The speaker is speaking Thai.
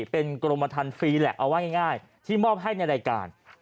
เป็นกรมทันฟรีแหละเอาว่าง่ายที่มอบให้ในรายการ